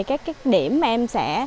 các cái điểm mà em sẽ